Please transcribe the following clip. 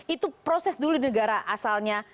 itu proses dulu di negara asalnya